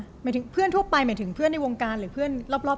หมายถึงเพื่อนทั่วไปหมายถึงเพื่อนในวงการหรือเพื่อนรอบ